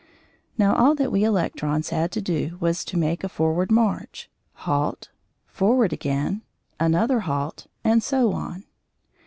Now all that we electrons had to do was to make a forward move, halt, forward again, another halt, and so on.